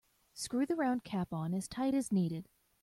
Screw the round cap on as tight as needed.